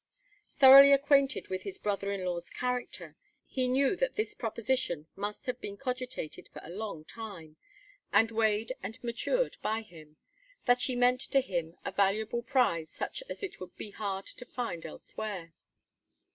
Thoroughly acquainted with his brother in law's character, he knew that this proposition must have been cogitated for a long time, and weighed and matured by him that she meant to him a valuable prize such as it would be hard to find elsewhere.